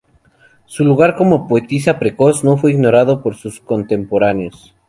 Su lugar como poetisa precoz no fue ignorado por sus contemporáneos.